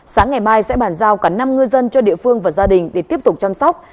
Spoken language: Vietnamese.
sáng ngày mai sẽ bàn giao cả năm ngư dân cho địa phương và gia đình để tiếp tục chăm sóc